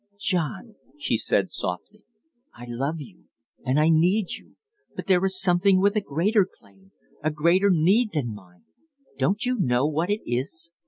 "John," she said, softly, "I love you and I need you but there is something with a greater claim a greater need than mine. Don't you know what it is?"